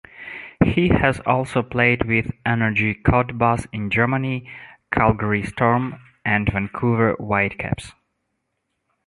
He has also played with Energie Cottbus in Germany, Calgary Storm, and Vancouver Whitecaps.